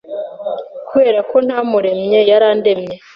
Kuberako ntamuremye yarandemye